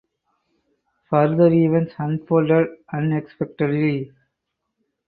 Further events unfolded unexpectedly.